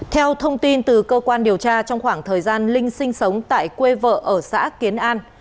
theo thông tin từ cơ quan điều tra trong khoảng thời gian linh sinh sống tại quê vợ ở xã kiến an